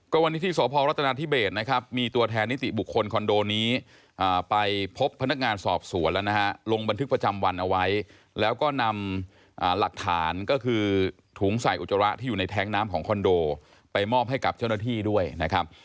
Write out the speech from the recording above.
วันนี้ที่สพรัฐนาธิเบสนะครับมีตัวแทนนิติบุคคลคอนโดนี้ไปพบพนักงานสอบสวนแล้วนะฮะลงบันทึกประจำวันเอาไว้แล้วก็นำหลักฐานก็คือถุงใส่อุจจาระที่อยู่ในแท้งน้ำของคอนโดไปมอบให้กับเจ้าหน้าที่ด้วยนะครับ